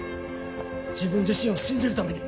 自分自身を信じるために。